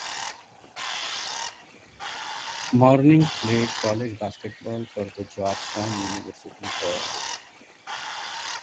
Mourning played college basketball for the Georgetown University Hoyas.